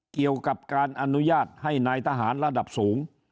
เกี่ยวกับการอนุญาตให้นายทหารระดับสูง